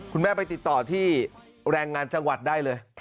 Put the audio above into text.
คุณแม่ไปติดต่อที่แรงงานจังหวัดได้เลย